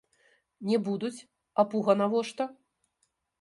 Не будуць, а пуга навошта?